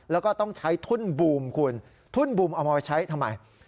แล้วก็ต้องใช้ทุ่นบูมคุณทุ่นบูมเอามาไว้ใช้ทำไม